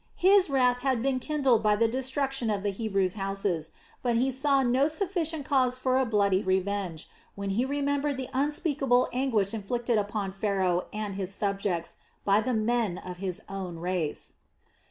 His wrath had been kindled by the destruction of the Hebrews' houses, but he saw no sufficient cause for a bloody revenge, when he remembered the unspeakable anguish inflicted upon Pharaoh and his subjects by the men of his own race.